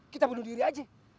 kita bunuh diri aja